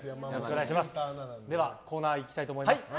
ではコーナー行きたいと思います。